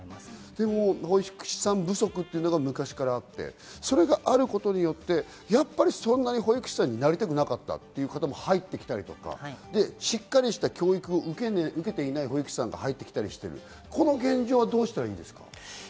保育士さん不足が昔からあって、それがあることで、そんなに保育士さんになりたくなかったという方も入ってきたりとか、しっかりした教育を受けていない保育士さんが入ってきたりしている、この現状はどうしたらいいですか？